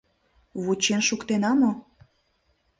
Вучен шуктена мо?